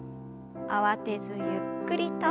慌てずゆっくりと。